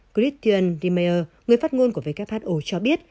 christian riemeier người phát ngôn của who cho biết